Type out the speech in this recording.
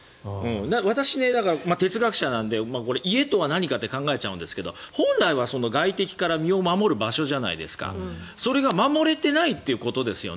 私、哲学者なので家とは何か？って考えちゃうんですけど本来は外敵から身を守る場所じゃないですかそれが守れていないということですよね。